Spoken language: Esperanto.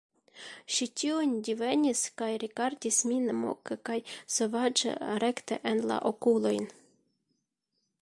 Ŝi tion divenis, kaj rigardis min moke kaj sovaĝe, rekte en la okulojn.